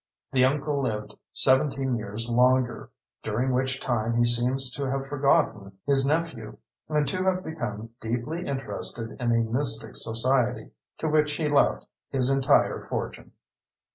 The uncle lived 17 years longer, during which time he seems to have forgotten his nephew and to have become deeply interested in a mystic society, to which he left his entire fortune.